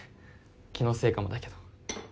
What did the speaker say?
気のせいかもだけど。